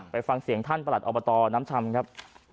ไปฟังเสียงท่านประหลัดอบตน้ำชำครับ